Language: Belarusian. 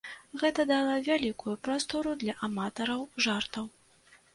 Гэта дала вялікую прастору для аматараў жартаў.